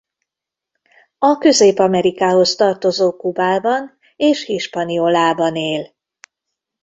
A Közép-Amerikához tartozó Kubában és Hispaniolában él.